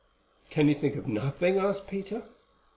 "Can you think of nothing?" asked Peter.